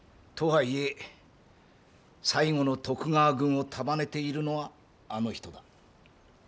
とはいえ最後の徳川軍を束ねているのはあの人だ。